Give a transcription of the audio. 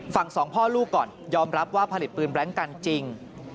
สองพ่อลูกก่อนยอมรับว่าผลิตปืนแบล็งกันจริง